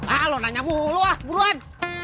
ah lo nanya mulu ah buruan